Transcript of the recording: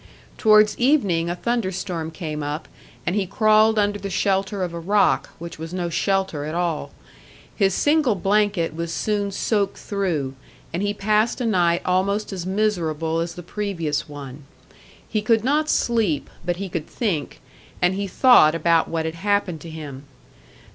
Towards evening a thunder storm came up, and he crawled under the shelter of a rock, which was no shelter at all. His single blanket was soon soaked through, and he passed a night almost as miserable as the previous one. He could not sleep, but he could think, and he thought about what had happened to him.